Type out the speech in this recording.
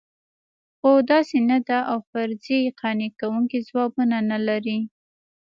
خو داسې نه ده او فرضیې قانع کوونکي ځوابونه نه لري.